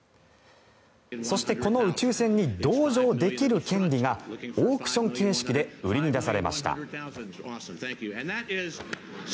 そしてこの宇宙船に同乗できる権利がオークション形式で売りに出されました。